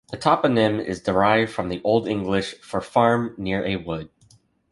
The toponym is derived from the Old English for "farm near a wood".